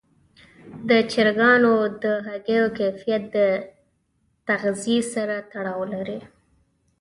د چرګانو د هګیو کیفیت د تغذیې سره تړاو لري.